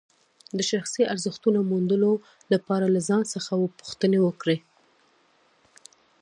د شخصي ارزښتونو موندلو لپاره له ځان څخه پوښتنې وکړئ.